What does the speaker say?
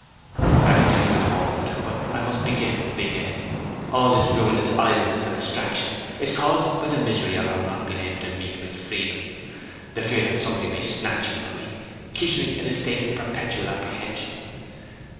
'I can tell you in a moment, but I must begin at the beginning. All this ruinous idleness and distraction is caused by the misery of our not being able to meet with freedom. The fear that something may snatch you from me keeps me in a state of perpetual apprehension.'